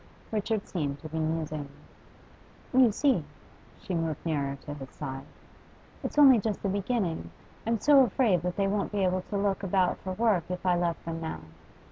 Richard seemed to be musing. 'You see' she moved nearer to his side, 'it's only just the beginning. I'm so afraid that they wouldn't be able to look about for work if I left them now.